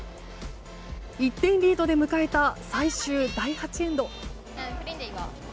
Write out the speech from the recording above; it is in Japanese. １点リードで迎えた最終第８エンド。